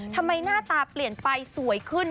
หน้าตาเปลี่ยนไปสวยขึ้น